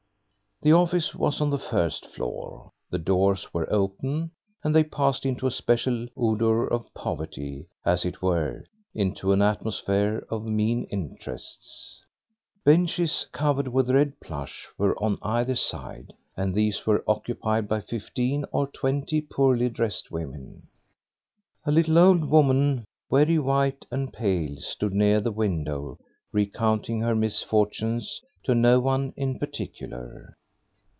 The office was on the first floor. The doors were open, and they passed into a special odour of poverty, as it were, into an atmosphere of mean interests. Benches covered with red plush were on either side, and these were occupied by fifteen or twenty poorly dressed women. A little old woman, very white and pale, stood near the window recounting her misfortunes to no one in particular.